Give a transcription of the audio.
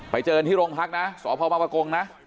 ไปเจอที่โรงพักนะสพมปะโกงนะ